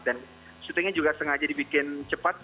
dan shootingnya juga sengaja dibikin cepat